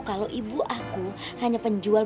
kalau ibu aku hanya penjual